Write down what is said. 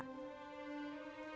rumah sakit payangkara